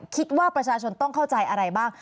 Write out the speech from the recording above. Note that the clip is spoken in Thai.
คิดว่าประชาชนต้องเข้าใจอะไรบ้าง